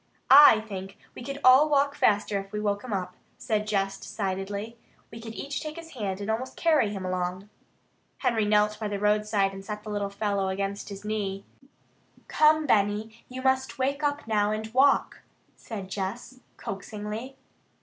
"I think we could all walk faster if we woke him up," said Jess decidedly. "We could each take his hand and almost carry him along." Henry knelt by the roadside and set the little fellow against his knee. "Come, Benny, you must wake up now and walk!" said Jess coaxingly.